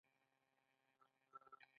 نارینه به یوازې ښکار ته تلل.